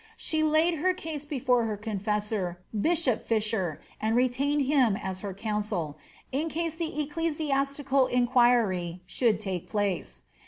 She laid her case before her confessor, bishop Fisher, and retained him as her counseU in case the ecclesiastical inquiry should take place.